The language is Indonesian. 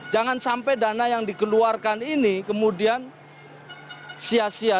jangan sampai dana yang dikeluarkan ini kemudian sia sia